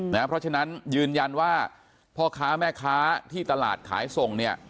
เพราะฉะนั้นยืนยันว่าพ่อค้าแม่ค้าที่ตลาดขายส่งเนี่ย